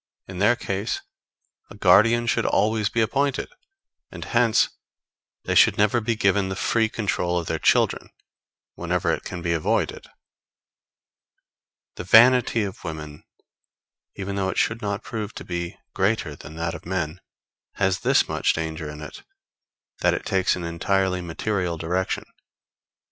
In their case a guardian should always be appointed; and hence they should never be given the free control of their own children, wherever it can be avoided. The vanity of women, even though it should not prove to be greater than that of men, has this much danger in it, that it takes an entirely material direction.